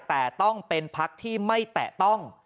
แต่ต้องเป็นพักที่ไม่แตะต้อง